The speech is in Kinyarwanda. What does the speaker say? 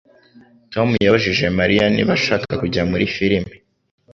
Tom yabajije Mariya niba ashaka kujya muri firime.